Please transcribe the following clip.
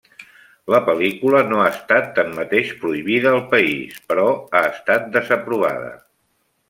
La pel·lícula no ha estat tanmateix prohibida al país però ha estat desaprovada.